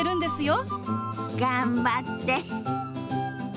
頑張って。